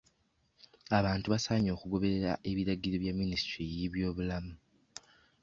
Abantu basaanye okugoberera abiragiro bya minisitule y'ebyobulamu.